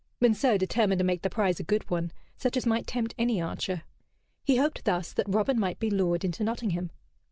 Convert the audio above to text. Monceux determined to make the prize a good one, such as might tempt any archer. He hoped thus that Robin might be lured into Nottingham.